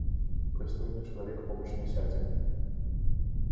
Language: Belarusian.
Прыстойны чалавек побач не сядзе.